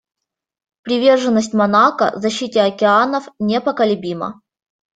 Приверженность Монако защите океанов непоколебима.